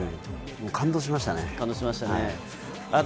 感動しましたね。